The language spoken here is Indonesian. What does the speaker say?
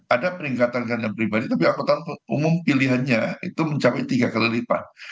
ada peningkatan kendaraan pribadi tapi angkutan umum pilihannya itu mencapai tiga kali lipat